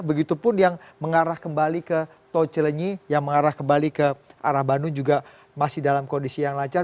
begitupun yang mengarah kembali ke tol cilenyi yang mengarah kembali ke arah bandung juga masih dalam kondisi yang lancar